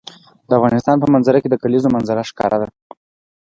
د افغانستان په منظره کې د کلیزو منظره ښکاره ده.